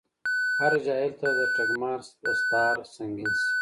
هر جاهل ته دټګمار دستار سنګين شي